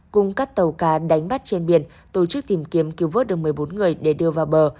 cùng các tàu cá đánh bắt trên biển tổ chức tìm kiếm cứu vớt được một mươi bốn người để đưa vào bờ